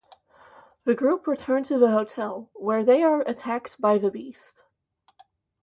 The group return to the hotel, where they are attacked by the Beast.